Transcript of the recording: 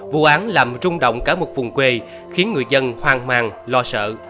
vụ án làm rung động cả một vùng quê khiến người dân hoang màng lo sợ